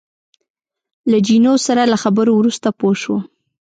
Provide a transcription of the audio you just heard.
له جینو سره له خبرو وروسته پوه شوم.